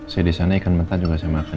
saya disana ikan mentah juga saya makan